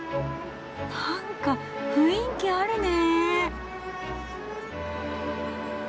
なんか雰囲気あるね。